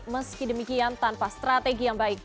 meski demikian tanpa strategi yang baik